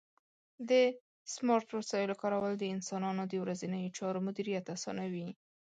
د سمارټ وسایلو کارول د انسانانو د ورځنیو چارو مدیریت اسانوي.